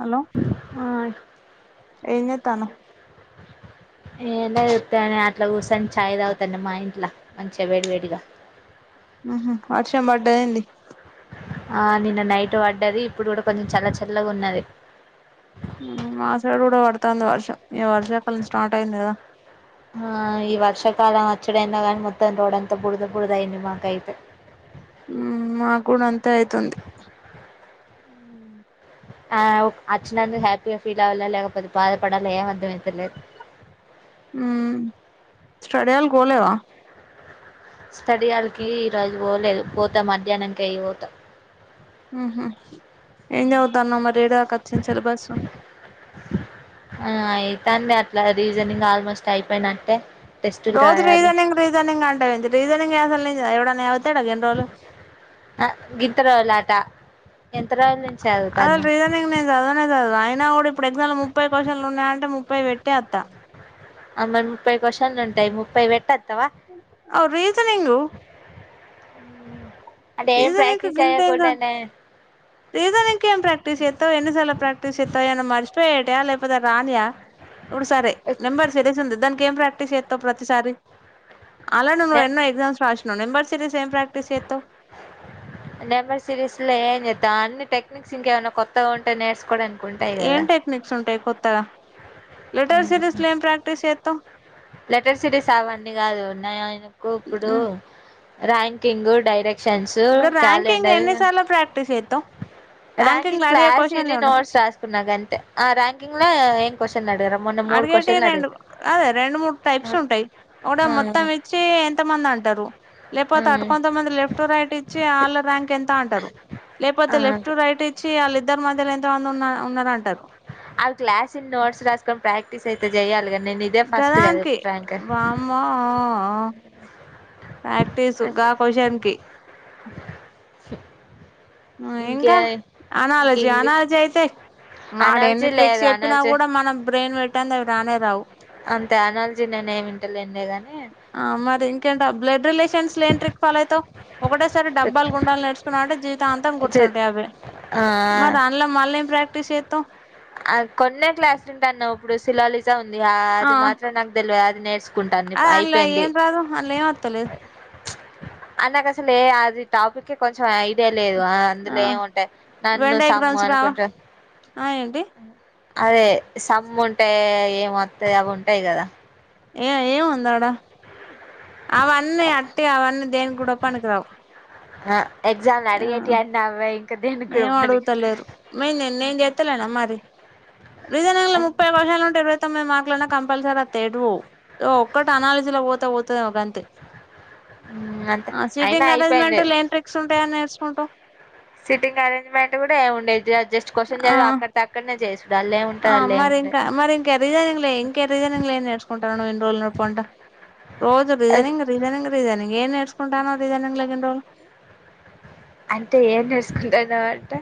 Hello ఆ ఏంచేతనావ్ ఏం లేదు ఉత్తిగనే అట్లా కూర్చోని చాయ్ తాగుతన్న మా ఇంట్లో మంచిగా వేడి వేడిగా ఆహా వర్ష పడ్డద ఏంది ఆ నిన్న నైట్ పడ్డది ఇప్పుడు కూడా కొంచెం చల్ల చల్లగా ఉన్నది మాసైడు కూడా పడుతంది వర్షం ఇక వర్షాకాలం స్టార్ట్ అయింది కదా ఆ ఈ వర్షాకాలం వచ్చుడెందో గానీ మొత్తం రోడ్ంతా బురద బురదయింది మాకైతే మాకూ కుడా అంతే అయితుంది ఆ అచినందుకు హ్యాపీయా ఫీల్ ఆవలే లేకపోతే బాద పాడాల ఏమ్ అర్ధమైతలేదు హుమ్ స్టడీ ఆల్ కి బోలెవా స్టడియళకి ఈరోజు పోలేదు పోతా మధ్యాహ్నంకి అయి పోతా ఉహు ఏంచదువుతునావ్ మరి ఏడ దాకా వచ్చింది సిలబస్ ఆ అయితంది అట్లా రీజనింగ్ ఆల్మోస్ట్ అయిపోయినట్టే టెస్టులు రోజు రాయాలి రీజనింగ్ రీజనింగ్ అంటవెంది రీజనింగ్ అసలు ఎవడన ఆ గిట్టరొలాట అసలు రీజనింగ్ నేను చదవనే చదవ అయినా కూడా ఇప్పుడు ఎగ్జామ్ లో ముప్పై క్వశ్చన్లు ఉన్నాయి అంటే ము ముప్పై పెట్టె వత్తా ఆమె ముప్పై కోశన్లు ఉంటాయి ముప్పై పెట్టీ రీజనింగ్ అంటే ఏం ప్రాక్టీస్ అయ్యాకుండానే రీజనింగ్కి ఏమ్ ప్రాక్టీస్ చతవ్ ఎన్ని సార్లు ప్రాక్టీస్ చతవ్ ఏమైనా మార్చి మర్చిపోయేటివా లేకపోతే రానియ ఇప్పుడు సరే నెంబర్ సిరీస్ ఉంది దానికేం ప్రాక్ ప్రాక్టీస్ చేస్తావు ప్రతిసారి అలా నువ్వు ఎన్నో ఎ్జామ్స్ రాసినను నెంబర్ సిరీస్ ఏమ్ ప్రాక్టీస్ చేస్తావు నెంబర్ సిరీస్స లో ఏన్ చెత అన్ని టెక్నిక్స్ ఇంకా ఏమైనా కొత్తాగా ఉంటే నేర్స్కోడం ఏం టెక్నిక్స్ ఉంటాయి కొత్తగా లెటర్ సిరిస్ లో ఏం ప్రాక్టీస్ చేత్తవ్ లెటర్ సిటీస్ అవన్నీ కాదు ఉన్నాయి ఆయనకు ఇప్పుడు ర్యాంకింగ్ డైరెక్ట్ షెన్సుూ గా ర్యాంకింగ్ క్యాలెండర్ ఎన్నిసార్లు ప్రాక్టీస్ చేత్తవ్ ర్యాంకింగ్ లో అడిగే క్వశ్చన్లు క్లాస్ని ఏమన్నా నోట్స్ రాసుకున్నా గంతే ర్యాంకింగ్ లోం అడిగేటివి రెండు అదే రెం రెండు మూడు టైప్స్ ఉంటాయి ఒకటి ఏమో మొత్తం ఆ ఇచ్చి ఎంత మంది అంటారు లేకపోతే అటు ఆ కొంతమంది లెఫ్ట్ రైట్ ఇచ్చి వాళ్ళ ర్యాంక్ ఎంత అంటారు లేకపోతే ఆ లెఫ్ట్ టు రైట్ ఇచ్చి వాళ్ళ ఇద్దరు మధ్యలో ఎంతో మంది ఉన్న ఉన్నారూ అంటారు అవి క్లాస్ని నోట్స్ రాసుకొని ప్రాక్టీస్ అయితే చెయాలి కానీ నేను ఇదే ఫస్ట్ కదా గదానికి ఫ్రాంక్ వామ్మో ప్రాక్టీసు గా క్వషన్ కి ఇంకా ఇంకే ఇంక అనాలజీ ఇంగ్లీష్ అనాలజీ అయితే వాడు అనాలజీ అన్ని ట్రిక్స్ లేదు చెప్పినా అనాలజీ కూడా మనం బ్రెయిన్ పెట్టంది అవి రానే రావు అంతే అనల్జీ నేనే ఏమి వింటలేనులే గానీ ఆ మరి ఇంకేంట బ్లడ్ రిలేషన్స్ లో ఏం ట్రిక్ ఫాలో అవుతావు ఒకటేసారి డబ్బాలు గుండాలు నేర్చుకున్నా వంటే జీవితాంతం గుర్తుంటాయి అవి ఆ మరి అన్ల మళ్లా ఎం ప్రాక్టీస్ సేత్తావ్ అద్ కొన్నే క్లాస్లుంటన్నవ్, ఇప్పుడు శిలోలిజా ఉంది ఆ అది మాత్రం నాక్ తెల్వ్వదు అది నేస్. కుంటా [unintelligible] అందులో అయిపెంది ఏం రాదు అందులో ఏం వత్తలేదు ఆ నాకసలు ఏ అది టాపిక్ ఏ కొంచెం ఐదేల్ లేదు ఆ అందులో ఏముంటాయి నన్ను వెన్ సమ్ము డయాగ్రామ్స్ రావా అనుకుంటా. ఆ ఏంటి అదే సమ్ ఉంటే ఏ మొత్తయి అవి ఉంటాయి గదా ఇగ ఏం ఉందాడా అవన్నీ అట్టిగా అవన్నీ దేనిగూడ పనికి రావు హ ఎక్జాలో అడిగేటి అన్ని అవే దేనిక్కూడా ఏం పనికి [inaudible] అడుగుతలేరు నేను నేను చెత్తలేనా మరి రీజనింగ్ లా ముప్పై క్వశన్లు ఉంటాయి ఇరువై తొమ్మీది మార్కులనాక్ కంపల్సరీ అత్తయ్ ఎటుపోవ్ ఒక్కటి అనాలజీలో పోతే పోతందేమో గంతే అంతే ఆ అయినా సీటింగ్ అయిపోయింది అరేంజ్మెంట్ లేన్ ట్రిక్స్ ఉంటాయని నేర్చకుంటవ్. సిట్టింగ్ అరేంజ్మెంట్ కూడా ఏం ఉండేయి జ జస్ క్వశన్ ఆ చదువి అక్కట్టి అక్కన్నే చేస్. అల్ల ఆ మరి ఇంకా మరి ఇంక రీజనింగ్ లే ఇంకే రీజనింగ్లో, ఏం నేర్చుకుంటావ్ నువ్వు ఇన్ని రోజుల పొంట. రోజు రీజనింగ్, రీజనింగ్, రీజనింగ్ ఏం నేర్సుకుంటానవ్ రీజనింగ్లగిన్ రోజులు. అంటే ఏం నేర్సుకుంటానవ్ అంటే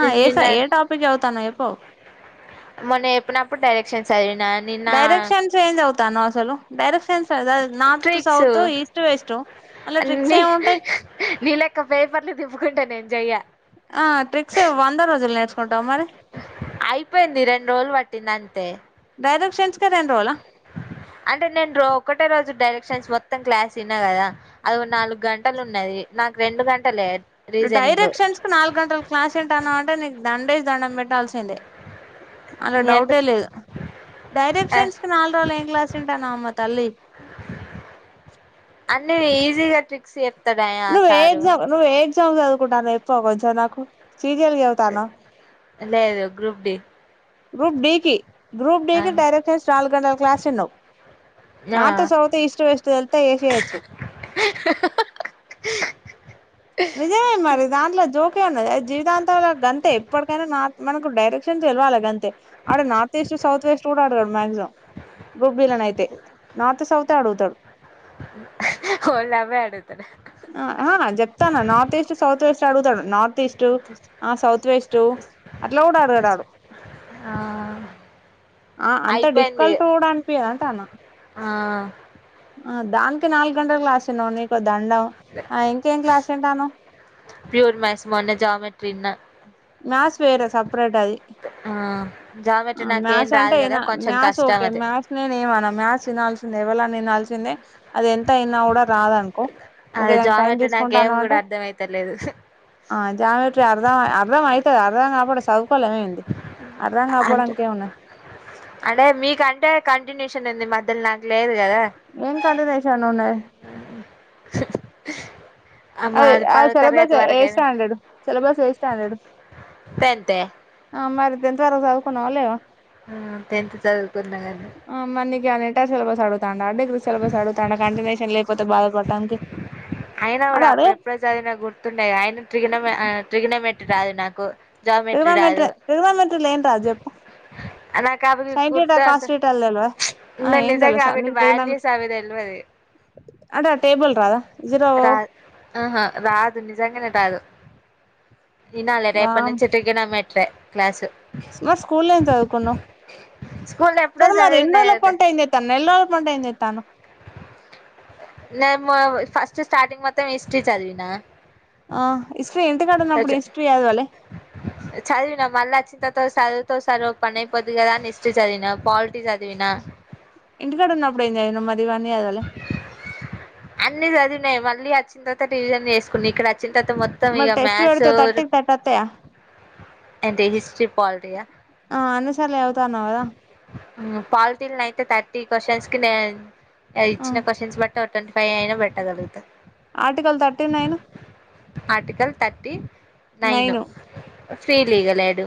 ఆ నిన్న ఏసై ఏ టాపిక్ చదవుతన్నావో జేప్పు మొన్న ఏప్పినప్పుడు డైరెక్షన్స్ చదివి డైరెక్షన్స్ ఏం జవుతాన్నవ్ అసలు directions [unintelligible] north, south, east, west. అలా ట్రిక్స్ అన్ని ఏముంటాయి నీ లేక్క పేపర్లు తిప్పుకుంట నేన్ ఆ ట్రిక్స్ వంద రోజలు నేర్చుకుంటవ్ మరి అయిపెంది రెండు రోజలు పట్టింది అంతే డైరెక్షన్స్ కే రెండు రోజులా అంటే నేన్ రో ఒకటే రోజు డైరెక్ క్షన్స్ మొత్తం క్లాస్ ఇన్నా గదా అదొ నాలుగంటలున్యాది నాకు రెండు గంటలే. రీజనింగ్ డైరెక్షన్స్ కు నాలుగ్ గంటల్ క్లాస్ ఇంటాన్నవంటే నీకు దండేస్ దండం పెట్టాల్సిందే. అన్లా డౌటే ఎందుకు లేదు డైరెక్షన్స్ కి నాల్ రోజులు ఏం క్లాస్ ఇంటన్నావమ్మ తల్లి. అన్నీ ఈజీ నువ్వు ఏ ఎగ్జామ్ ఏ ఎగ్జామ్ చదువు కుంటన్నావో చెప్తావా కొంచెం నాకు సీరియల్ గా చెబుతాన్న లేదు గ్రూప్ డి గ్రూప్ డికి, గ్రూప్ ఆ డికి డైరెక్షన్స్ నాలుగంటల క్లాస్ ఇన్నావ్. నార్త్ సౌత్ ఈస్ట్ వెస్ట్ తెలితే ఏసేయ్యొచ్చు హా హా నిజమే మరి దాంట్లో జోక్ ఏం ఉన్నది అది జీవితాంతం, ఇగ గంతే ఎప్పడికైనా నార్త్ మనకు డైరెక్షన్స్ తెల్వాలే గంతే. ఆడ నార్త్ ఈస్ట్ సౌత్ వెస్ట్ కూడా అడగడు మాక్సిమమ్ గ్రూప్ బిలనైతే నార్త్ సౌత్ ఏ అడుగుతాడు వాళ్లు అవే అడుగుతడు తన్న నార్త్ ఈస్ట్ సౌత్ వెస్ట్ ఏ అడుగుతాడు, నార్త్ ఈస్ట్ ఆ సౌత్ వెస్ట్. అట్లా కూడా అడగడాడు ఆ ఆ అంత అయిపోయింది డిఫికల్ట్ కూడా అనిపియదు అంటానా ఆ ఆ దానికి నాలుగు గంటలు క్లాస విన్నావ్ నీకు ఒక దండం ఆ ఇంకేం క్లాస్ వింటానవ్ ప్యూర్ మ్యాథ్స్ మొన్నే జ్యామెట్రీ విన్నా మాస్ వేరు సపరేట్ అది జ అ మ్యాథ్స్ అంటే ఏనా మ్యాథ్స్ ఓకే అది మ్యాథ్స్ నేనేం అన మ్యాథ్స్ వినాల్సింద ఎవలన వినాల్సిందే అది ఎంత ఇన కూడా రాదనుకో ఒకె అది దానికి టైమ్ జామెట్రీ తీసుకుంటా నాకేం అన్నవంటే కూడా అర్థం అయితలేదు ఆ జ్యామెట్రీ అర్థం అయ్ అ అర్థం అయితది అర్థం కాకపోతే చదువుకోలేమా ఏంది అర్థం అంటే కాకపోవడానికి ఏం ఉన్నది అంటే మీకంటే కంటిన్యూషన్ ఉంది మధ్యల నాకు లేదు కదా ఏం కంటూనేషన్ ఉన్నది ఇష్ అది ఆ సిలబస్ ఏ స్టాండర్డ్ సిలబస్ ఏ స్టాండర్డ్ పెంతే మరి టెన్త్ వరకు చదువుకున్నవ లేవ ఆ టెన్త్ చదువుకున్న కని యానంటే సిలబస్ అడుగుతండా అంటే ఇపుడు సిలబస్ అడుగుతాండ కంటిన్యూషన్ లేకపోతే బాధపడడానికి అయినా కూడా అప్పుడెప్పుడో చదివినవి గుర్తుంటాయా అయిన ట్రిగన ఆ ట్రిగనమెట్రీ రాదు నాకు జామెట్రీ రాదు ట్రిగనమెట్రీ ట్రిగనమెట్రీల ఏం రాదు జేప్పు నాకు సైన్ టీటా కాస్ టీటాలు తెల్వదా ఆ నేన్ ఏం నిజంగా తెలుసా అవిటి నీకు వాల్యూస్ ట్రిగ్నోమెట్రీ అవి తెల్వది అంటే ఆ టేబుల్ రాదా జీరో రాదు ఆహా రాదు నిజంగానే రాదు ఇనాలే రేపటి వామ్ నుంచి టిగనమెట్రే క్లాసు మరి స్కూల ఏం చదువుకున్నవ్ స్కూల్లో ఎప్పుడో సరే మరి ఇన్ని చదివిన రోజుల పొంటి ఏం జేతనవ్ నెల రోజుల పొంటి ఏం చేతనవ్ నేను మొ ఫస్ట్ స్టార్టింగ్ మొత్తం హిస్టరీ చదివినా ఆ హిస్టరీ ఇంటికాడ అ ఉన్నప్పుడు చ హిస్టరీ చదవలే చదివినా మళ్ల వచ్చిన తర్వాత తో సదువుతో సరు ఒక పని అయిపోది కదా అని హిస్ట్రీ చదివిన పాల్ ఇంటికాడు ఉన్నప్పుడు ఏం చదివినవ్ మరి ఇవన్ని అన్ని చదివినయే మళ్ళీ వచ్చిన తర్వాత రివిజన్ చేసుకుని ఇక్కడ అ వచ్చిన తరువాత మొత్తం మరి ఇగ టెస్ట్ మ్యాథ్స్ పెడితే థర్టీకి థర్టీ వత్తయా అండ్ తేజస్ చి పాలిటీయా ఆ అన్నిసార్ల చదువుతా అన్నవు కదా పాలిటీల్ అయితే థర్టీ క్వశ్చన్స్ కి నెన్ ఆ ఇచ్చిన క్వశ్చన్స్ బట్టి టో ట్వంటీ ఫైవ్ అయినా పెట్టగలుగుత article thirty nine article thirty nine nine feel ఇగ లేడు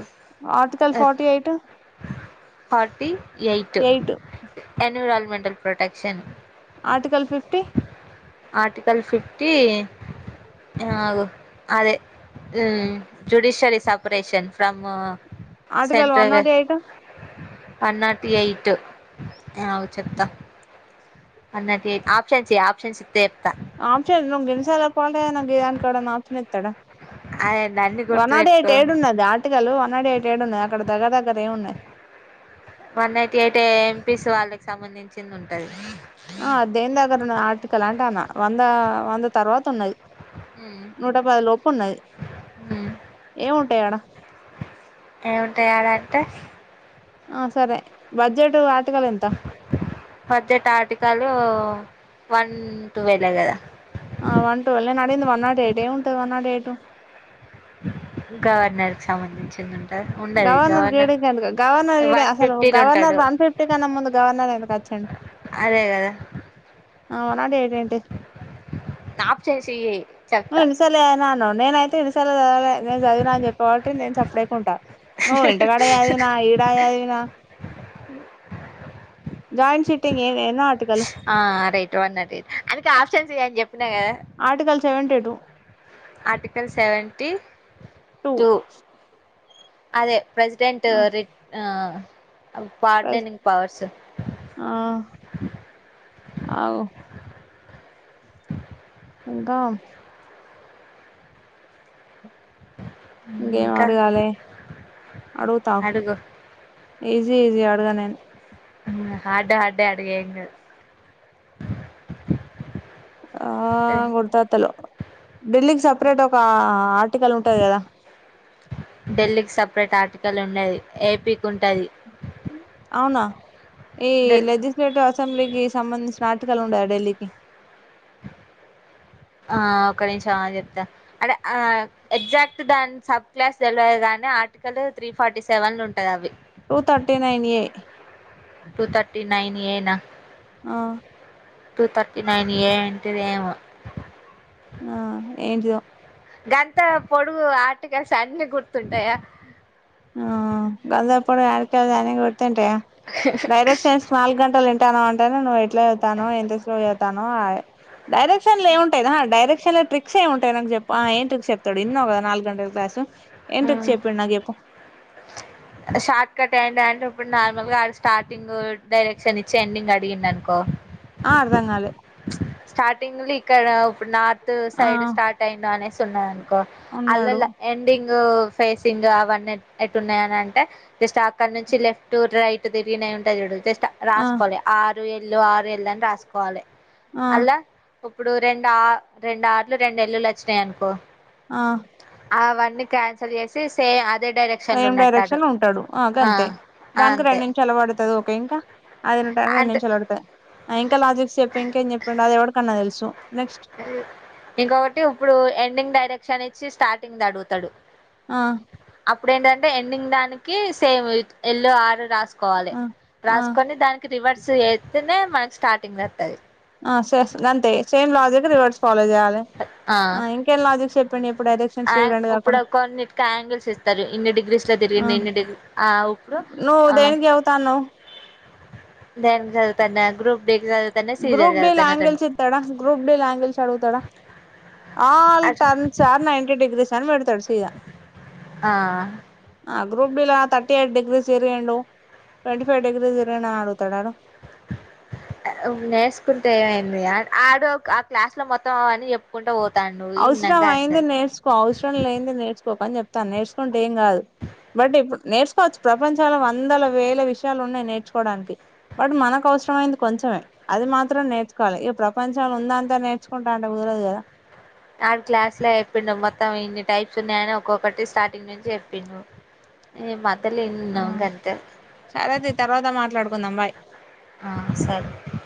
article forty eight forty eight environmental protection article fifty article fifty ఆగు అదే ఊ judiciary separation from article one central not eight one not eight ఆగు చెప్తా అన్నది ఆప్షన్స్ చెయ్ option చెయ్ ఆప్షన్ నువు గిన్ని సార్లు పాంట్ అయినంక గీదానికి ఎవడన్నా ఆప్షన్ ఇత్తడ అదేంది అన్నీ వన్ నాట్ ఎయిట్ గుర్తుపెట్టుకో ఏడు ఉన్నది ఆర్టికల్ వన్ నాట్ ఎయిట్ ఏడు ఉన్నది అక్కడ దగ్గర దగ్గర ఏ న్నాయి వన్ నాట్ ఎయిట్ ఎంపీస్ వాళ్ళకి సంబంధించింది ఉంటది ఆ దేని దగ్గర ఆటికల్ అంటే అన్న వంద వంద తర్వాత ఉన్నది నూట పది లోపు ఉన్నది ఏం ఉంటాయి అడా అట్ట ఆ సరే బడ్జెట్ ఆర్టికల్ ఎంత బడ్జెట్ ఆర్టికల్ వన్ ట్వోవెల్ కదా ఆ వన్ టువల్ నేను అడిగింది వన్ నాట్ ఎయిట్ ఏమింటది వన్ నాట్ ఎయిట్ గవర్నర్కి సంబంధించి గవర్నర్ గిడ కంద గవర్నర్ గిడ వన్ అసలు ఫిఫ్టీలో గవర్నర్ ఉంటాడు వన్ ఫిఫ్టీ కన్నా ముందు గవర్నర్ కచ్చను అదే కదా ఆ వన్ నాట్ ఎయిట్ ఏంటి నాపు చేసయే ఇంసాల నా న ఒన్నేన యితే ఇంస నేను చదివిన అని చెప్పే ఒకట్టి నేను సప్పడ అకుంటా నువ్వు ఇంటకాడ చదివిన ఈడా చదివిన ఉ జాయింట్ సిటింగ్ ఆ ఏ నాట్ ఆ రైట్ వన్ నాట్ ఎయిట్ అందుక ఆప్షన్స్ ఈ అని చెప్ article seventy two article seventy two అదే ప్రెసిడెంట్ రీ ఆ పాట్దేన్నికు పవర్స్ అవు ఇంకా ఇంగేం ఇంకా అడుగాలే అడుగుతాఅగు అడుగు ఈజీ ఈజీ అడగా నేను హార్ట హార్టే అడిగే ఏం కాదు ఆ ముడుతాతలు ఢిల్లీకి సపరేట్ ఒక ఆర్టికల్ ఉంటది కదా ఢిల్లీకి సపరేట్ ఆర్టికల్ ఉండది ఏపీకి ఉంటది అవునా ఏ డెల్ లెజిస్లేటివ్ అసెంబ్లీకి సంబంధించిన ఆర్టికల్ ఉండయా ఢిల్లీకి ఆ ఒక్క నిమిషం అగు చెప్తా అంటే ఆ ఎగ్జాక్ట్ దాన్ని సబ్ కాస్ట్ తెలీదు కానీ అ ఆర్టికల్ త్రీ ఫార్టీ సెవెన్ లో ఉంటది అవి టూ థర్టీ నైన్ ఏ టూ థర్టీ నైన్ ఏనా ఆ టూ థర్టీ నైన్ ఏ అంటేది ఏమో ఆ ఏంటిదొ గంత పొడుగు ఆర్టికల్స్ అన్నిీ గుర్తుంటాయా ఆ గల్లప్పుడు ఆడికే గాని గుర్తుంటయా డైరెక్షన్స్ నాలుగ్గంటల్ ఇంటాను అంటేనే నువ్వు ఎట్ల చవుతావు ఎంత సేపు చవుతానవ్ ఆ డైరెక్షన్లేం ఉంటయి రా డైరెక్షన్ల ట్రిక్సేం ఉంటయి నాక్ జెప్పు ఆ ఏం ట్రిక్స్ చెప్తడు ఇన్నవ్ గద నాల్గంట క్లాసు ఏం ట్రిక్స్ చెప్పిండు నాకు చెప్పు నార్మల్గా ఆడ స్టార్టింగూ డైరెక్షనిచ్చి ఎండింగ్ అడిగిండనుకో ఆ అర్థంగాలే స్టార్టింగుల్నే ఇక్కడా ఉప్పుడ్ నా ద్ ఆ సైడు స్టార్టయిందా అనేసి ఉన్నదనుకో ఉన్నాడు అల్లల్ల ఎండింగ్ గూ ఫేసింగ్ అవన్నెట్ ఎట్టున్నయనంటె జస్ట్ అక్కన్నుంచి లెఫ్టు రైట్ తిరిగిన యి ఉంటై జూడు జస్ట్ ఆ రాసుకోవాలి ఆరు ఎల్లు ఆరు ఎల్లు అన్ రాసుకోవాలి ఆ అలా ఇప్పుడు రెండా రెండార్లు రెండేళ్ళులొచ్చినయనుకో ఆ అవన్ని క్యాన్సల్ జేసి సే సేమ్ డైరెక్షన్ ఉంటడు ఆ గంతే దానికి అంతే రెండు నిమిషాలు పడుతది ఓకే ఇంకా అదినటానికి రెండు అంటే నిమిషాలు పడుతాయి ఆ ఇంక లాజిక్స్ జెప్ప ఇంకేంజెప్పిండు అదెవరికన్న తెలుసు నెక్స్ట్ ఇంకొకటి ఇప్పుడు ఎండింగ్ డైరెక్షనిచ్చి స్టార్టింగ్దడుగుతడు ఆ అప్పుడేంటంటే ఎండింగ్ దానికీ సేమ్ ఎల్లు ఆరు రాస్ కోవాలె ఆ ఆ రాసుకొని దానికి రివర్స్ జేత్తెనే మనకి స్టార్టింగ్దత్తది ఆ సెస్ అంతే సేమ్ లాజిక్ రివర్స్ ఫాలో జెయ్యాలె ఆ ఇంకేం లాజిక్సెప్పిండు అ ఇప్పుడు కొన్నిట్కాంగిల్స్ ఇస్తరు ఇన్ని డిగ్రీస్ల ఆ తిరిగింది ఇన్ని డిగ్ ఆ ఇప్పుడు నువ్వు దేనికినికి చవుతాన్నవ్ నేన్ జదుతన్నా గ్రూప్ డీకి చదువుతాన్నా సీరియల్ గ్రూప్ డీల చదువుతాన్నా రెండు ఆంగెల్స్ ఇత్తడా గ్రూప్ డీల ఆంగెల్స్ అడగుతడా all turns are ninety degrees అని పెడతాడు సీదా ఆ ఆ గ్రూప్ డీలా థర్టీయైట్ డిగ్రీస్ ఇరగిండు ట్వంటీ ఫైవ్ డిగ్రీస్ ఇరగినా అడుగుతడాడు ఉప్ నేర్సుకుంటేమైంది ఆడు ఆ క్లాస్ ల మొత్తం అవన్ని చెప్పుకుంట పో అవసరం అయింది నేర్సుకో అవసరం లేంది నేర్చుకోకన్ జెప్తాన నేర్సుకుంటె ఏంగాదు బట్ ఇప్పు నేర్సుకోవచ్చు ప్రపంచాలు వందల వేల విషయాలున్నాయ్ నేర్చుకోడానికి బట్ మనకవసరమైంది కొంచెమే అది మాత్రం నేర్చుకోవాలిఇగ ప్రపంచంలుందంత నేర్చుకుంటా అంటె కు దురదు గదా సారు క్లాస్ల చెప్పండు మొత్తం ఇన్ని టైప్సున్నయని ఒక్కొక్కటి స్టార్టింగ్ నుంచి చెప్పిండు ఈ మాటలిన్నవ్ గంతే సరే తి తర్వాత మాట్లాడుకుందాం బాయ్ ఆ సరే